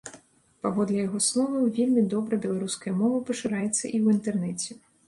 Паводле яго словаў, вельмі добра беларуская мова пашыраецца і ў інтэрнэце.